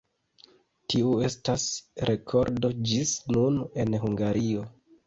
Tiu estas rekordo ĝis nun en Hungario.